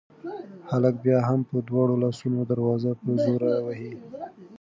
هلک بیا هم په دواړو لاسونو دروازه په زور وهي.